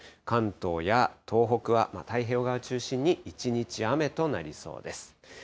関東や東北は、太平洋側を中心に一日雨となりそうです。